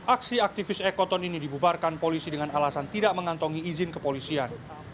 aksi aktivis ekoton ini dibubarkan polisi dengan alasan tidak mengantongi izin kepolisian